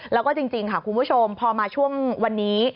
แล้วก็จริงค่ะคุณผู้ชมพอมาช่วงวันนี้